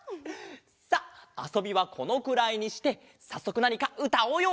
さっあそびはこのくらいにしてさっそくなにかうたおうよ。